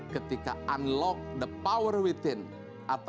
ketika unlock dalam diri mereka menjadi hebat